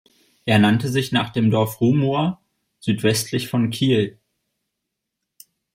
Er nannte sich nach dem Dorf Rumohr südwestlich von Kiel.